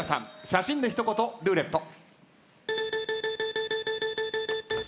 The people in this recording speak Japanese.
写真で一言ルーレット。